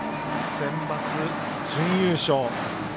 センバツ準優勝。